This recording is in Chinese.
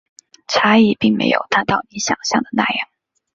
差异并没有大到你想像的那样